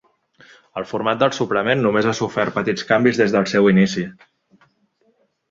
El format del suplement només ha sofert petits canvis des del seu inici.